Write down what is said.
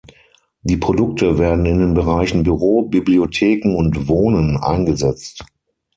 Die Produkte werden in den Bereichen Büro, Bibliotheken und Wohnen eingesetzt.